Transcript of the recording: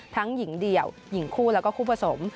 หญิงเดี่ยวหญิงคู่แล้วก็คู่ผสม